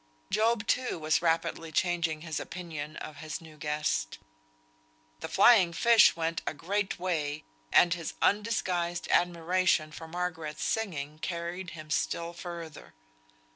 Job, too, was rapidly changing his opinion of his new guest. The flying fish went a great way, and his undisguised admiration for Margaret's singing carried him still further.